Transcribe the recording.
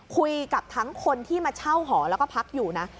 คุยกับทั้งคนที่มาเช่าหอแล้วก็พักอยู่นะ